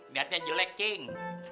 lihatnya jelek cing